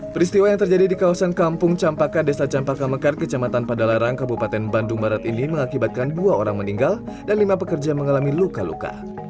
peristiwa yang terjadi di kawasan kampung campaka desa campaka mekar kecamatan padalarang kabupaten bandung barat ini mengakibatkan dua orang meninggal dan lima pekerja mengalami luka luka